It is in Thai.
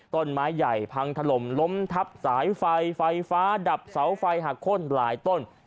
ต้นไม้ใหญ่พังถล่มล้มทับสายไฟไฟฟ้าดับเสาไฟหักโค้นหลายต้น